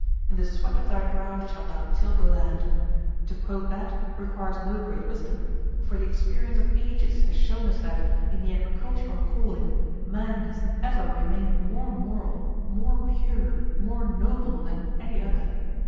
'In the sweat of thy brow shalt thou till the land.' To quote that requires no great wisdom, for the experience of ages has shown us that, in the agricultural calling, man has ever remained more moral, more pure, more noble than in any other.